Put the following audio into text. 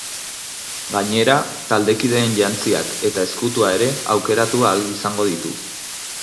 Gainera, taldekideen jantziak eta ezkutua ere aukeratu ahal izango ditu.